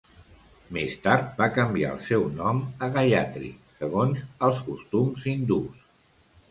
Més tard va canviar el seu nom a Gayatri segons els costums hindús.